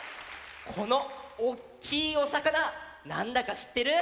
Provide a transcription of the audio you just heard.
このおっきいおさかななんだかしってる？